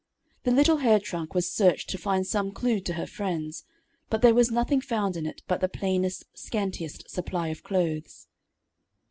The little hair trunk was searched to find some clue to her friends, but there was nothing found in it but the plainest, scantiest supply of clothes.